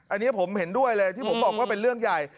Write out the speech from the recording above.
อันนี้ผมเห็นด้วยเลยที่ผมบอกว่าเป็นเรื่องใหญ่